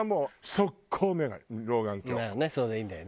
それがいいんだよね。